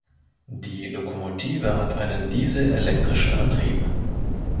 Die Lokomotive hat einen dieselelektrischen Antrieb.